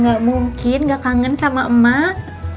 ya gak mungkin gak kangen sama emak